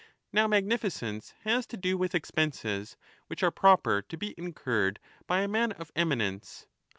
Now magnificence has to do with expenses which are proper to be incurred by a man of eminence.